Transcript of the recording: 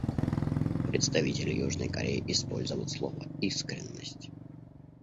Представитель Южной Кореи использовал слово «искренность».